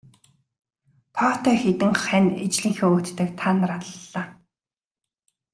Тоотой хэдэн хань ижлийнхээ өөдтэйг та нар аллаа.